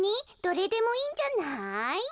どれでもいいんじゃない？